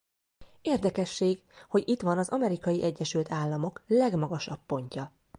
Érdekesség hogy itt van az Amerikai Egyesült Államok legmagasabb pontja.